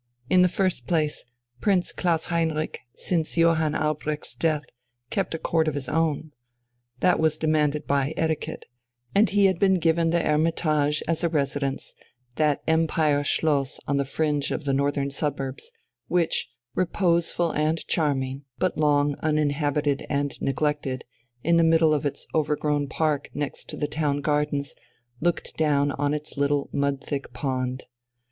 In the first place, Prince Klaus Heinrich, since Johann Albrecht's death, kept a Court of his own. That was demanded by etiquette, and he had been given the "Hermitage" as a residence, that Empire Schloss on the fringe of the northern suburbs, which, reposeful and charming, but long uninhabited and neglected, in the middle of its overgrown park next the Town Gardens, looked down on its little mud thick pond.